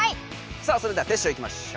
さあそれではテッショウいきましょう。